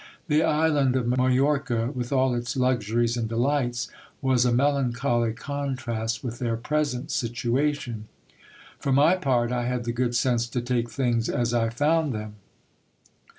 The island of Majorca, with all its luxuries and delights, was a melancholy contrast with their present situation. For my part, I had the good sense to take things as I found them.